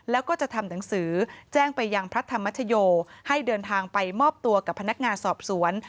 แล้วก็จะทำหนังสือแจ้งไปยังพระธรรมชโยให้เดินทางไปมอบตัวกับพนักงานสอบสวน